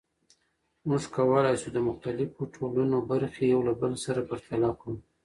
موږ کولای سو د مختلفو ټولنو برخې یو له بل سره پرتله کړو.